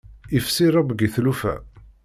Ifsi rrebg i tlufa.